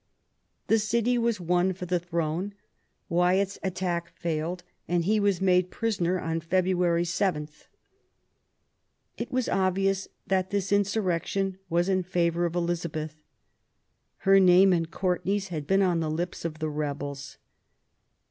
The city was won for the throne. Wyatt's attack failed, and he was made prisoner on February 7. It was obvious that this insurrection was in favour of Elizabeth. Her name and Courtenay's had been on the lips of the rebels.